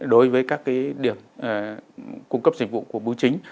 đối với các điểm cung cấp dịch vụ của bưu chính